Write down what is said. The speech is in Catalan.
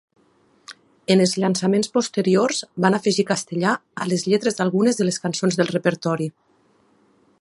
En els llançaments posteriors, van afegir castellà a les lletres d'algunes de les cançons del repertori.